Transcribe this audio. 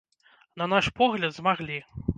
На наш погляд, змаглі!